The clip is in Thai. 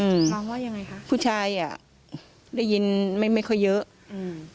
ความว่ายังไงคะผู้ชายอ่ะได้ยินไม่ไม่ค่อยเยอะอืม